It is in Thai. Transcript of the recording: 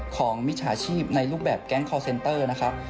มิจฉาชีพในรูปแบบแก๊งคอร์เซนเตอร์นะครับ